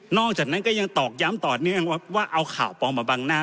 อกจากนั้นก็ยังตอกย้ำต่อเนื่องว่าเอาข่าวปลอมมาบังหน้า